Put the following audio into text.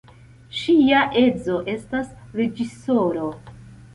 Ŝia edzo estas reĝisoro.